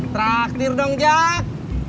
traktir dong jack